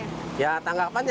terus warga gimana tanggapannya